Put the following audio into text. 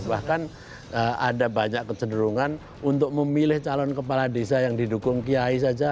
bahkan ada banyak kecenderungan untuk memilih calon kepala desa yang didukung kiai saja